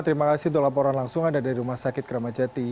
terima kasih untuk laporan langsung anda dari rumah sakit keramajati